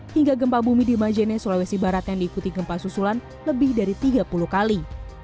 hingga gempa bumi di majene sulawesi barat yang diikuti gempa susulan lebih dari tiga puluh kali